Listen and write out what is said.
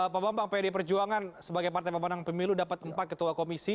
pak bambang pd perjuangan sebagai partai pemenang pemilu dapat empat ketua komisi